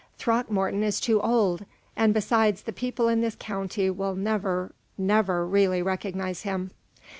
Throckmorton is too old; and, besides, the people in this county will never, never really recognize him."